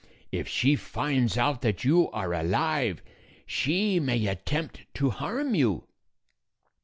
If she finds out that you are alive, she may attempt to harm you."